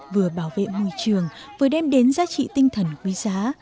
vừa bảo vệ môi trường vừa đem đến giá trị tinh thần quý giá